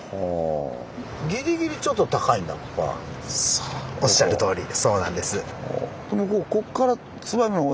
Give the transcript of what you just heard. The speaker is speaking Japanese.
そうおっしゃるとおりでそうなんです。